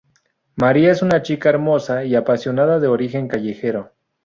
María es una chica hermosa y apasionada de origen callejero.